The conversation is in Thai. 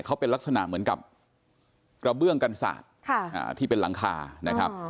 เขาเป็นลักษณะเหมือนกับกระเบื้องกันศาสตร์ที่เป็นหลังคานะครับ